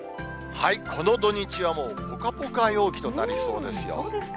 この土日はもうぽかぽか陽気となりそうですよ。